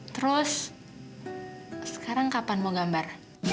terus sekarang kapan mau gambar